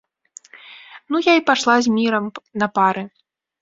Ну я і пайшла з мірам на пары.